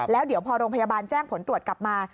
แล้วเดี๋ยวพอโรงพยาบาลแจ้งผลตรวจกลับมา